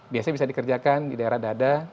biasanya bisa dikerjakan di daerah dada